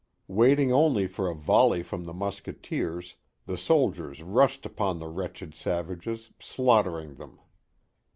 Waiting only for a volley from the musketeers, the soldiers rushed upon the wretched savages, slaughtering them.